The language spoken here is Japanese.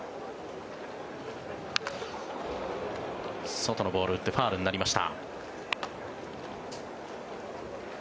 外のボールを打ってファウルになりました。